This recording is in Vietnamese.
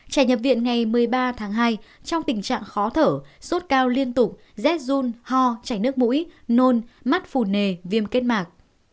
trẻ nhập viện ngày một mươi ba tháng hai trong tình trạng khó thở sốt cao liên tục rét run ho chảy nước mũi nôn mắt phù nề viêm kết mạc